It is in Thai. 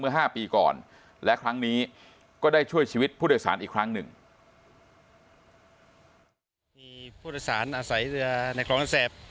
เมื่อ๕ปีก่อนและครั้งนี้ก็ได้ช่วยชีวิตผู้โดยสารอีกครั้งหนึ่ง